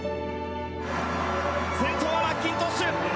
先頭はマッキントッシュ。